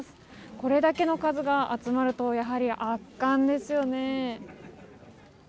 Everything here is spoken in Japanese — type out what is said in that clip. これだけの数が集まるとやはり圧巻ですよね。